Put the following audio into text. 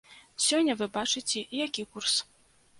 Сёння, вы бачыце, які курс.